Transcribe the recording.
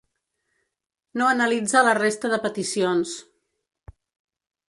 No analitza la resta de peticions.